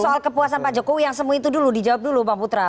soal kepuasan pak jokowi yang semua itu dulu dijawab dulu bang putra